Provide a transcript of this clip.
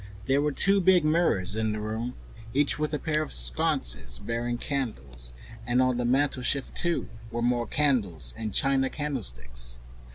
There were two big mirrors in the room, each with a pair of sconces bearing candles, and on the mantelshelf, too, were candles in china candle sticks.